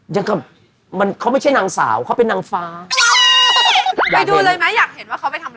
ไปดูเลยค่ะอยากเห็นว่าเขาไปทำอะไรกัน